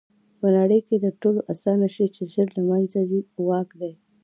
په نړۍ کښي تر ټولو آسانه شى چي ژر له منځه ځي؛ واک دئ.